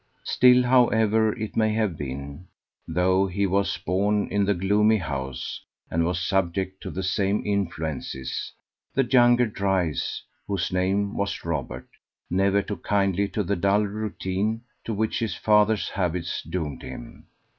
Still, however it may have been, though he was born in the gloomy house, and was subject to the same influences, the younger Dryce whose name was Robert never took kindly to the dull routine to which his father's habits doomed him.